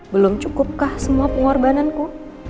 belum cukupkah semua pengorbananku